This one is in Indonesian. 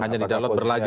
hanya didaulat berlaga ya